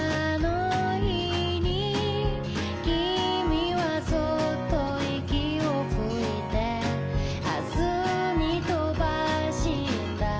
「きみはそっと息を吹いて」「明日に飛ばした」